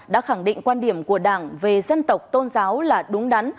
đã khẳng định quan điểm của đảng về dân tộc tôn giáo là đúng đắn